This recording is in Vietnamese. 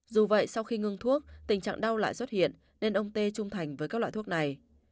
dù vậy sau khi ngưng thuốc tình trạng đau lại xuất hiện nên ông tê trung thành với các loại thuốc này